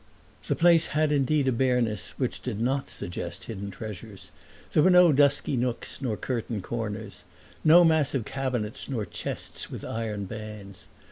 The place had indeed a bareness which did not suggest hidden treasures; there were no dusky nooks nor curtained corners, no massive cabinets nor chests with iron bands.